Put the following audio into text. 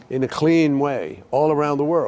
dengan cara sempurna di seluruh dunia